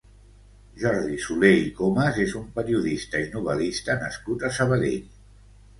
Jordi Solé i Comas és un periodista i novel·lista nascut a Sabadell.